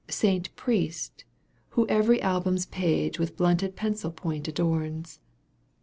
Saint Priest, who every album's page With blunted pencil point adorns.